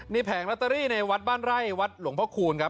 แผงลอตเตอรี่ในวัดบ้านไร่วัดหลวงพ่อคูณครับ